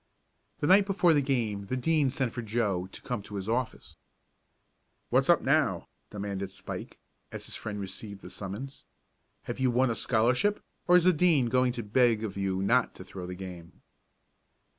The night before the game the Dean sent for Joe to come to his office. "What's up now?" demanded Spike, as his friend received the summons. "Have you won a scholarship, or is the Dean going to beg of you not to throw the game?"